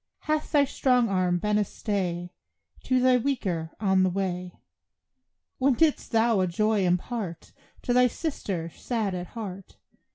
Hath thy strong arm been a stay To the weaker on the way? When didst thou a joy impart To thy sister, sad at heart!